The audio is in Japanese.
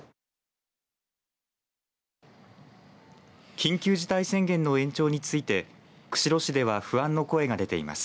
緊急事態宣言の延長について釧路市では不安の声が出ています。